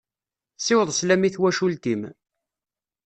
Siweḍ sslam i twacult-im.